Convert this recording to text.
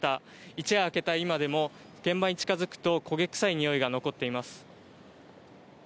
一夜明けた今でも現場に近づくと焦げ臭いにおいが残っています。